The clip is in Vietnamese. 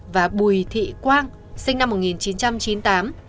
và bùi thị quang sinh năm một nghìn chín trăm chín mươi tám